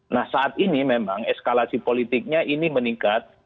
nah saat ini memang eskalasi politiknya ini meningkat